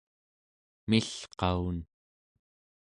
milqaun